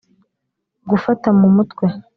gufata mu mutwe